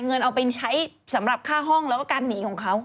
เงินเอาไปใช้สำหรับค่าห้องแล้วก็การหนีของเขา